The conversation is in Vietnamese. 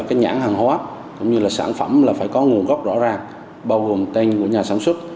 cái nhãn hàng hóa cũng như là sản phẩm là phải có nguồn gốc rõ ràng bao gồm tên của nhà sản xuất